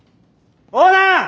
オーナー！